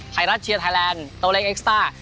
ไทยรัฐเชียร์ไทยแลนด์โตเล็กเอ็กซ่า